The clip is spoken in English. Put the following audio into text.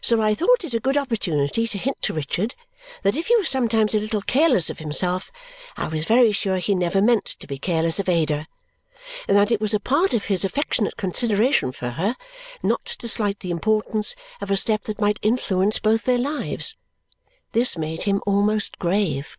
So I thought it a good opportunity to hint to Richard that if he were sometimes a little careless of himself, I was very sure he never meant to be careless of Ada, and that it was a part of his affectionate consideration for her not to slight the importance of a step that might influence both their lives. This made him almost grave.